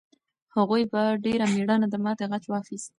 هغوی په ډېر مېړانه د ماتې غچ واخیست.